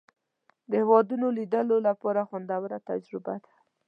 د هېوادونو لیدلو لپاره خوندوره تجربه ده.